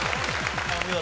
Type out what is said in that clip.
お見事。